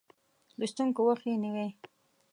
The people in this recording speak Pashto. لوستونکو وخت یې نیوی.